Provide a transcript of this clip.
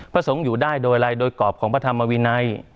สงฆ์อยู่ได้โดยอะไรโดยกรอบของพระธรรมวินัย